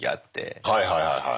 はいはいはいはいはい。